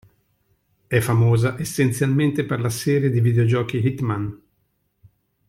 È famosa essenzialmente per la serie di videogiochi Hitman.